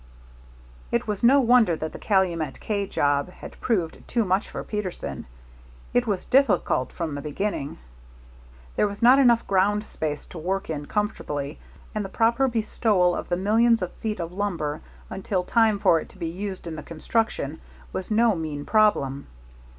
It was no wonder that the Calumet K job had proved too much for Peterson. It was difficult from the beginning. There was not enough ground space to work in comfortably, and the proper bestowal of the millions of feet of lumber until time for it to be used in the construction was no mean problem.